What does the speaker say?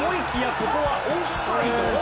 ここはオフサイド？